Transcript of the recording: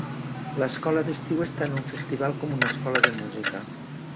L'escola d'estiu és tan un festival com una escola de música.